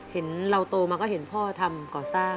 เห็นเราโตมาก็เห็นพ่อทำก่อสร้าง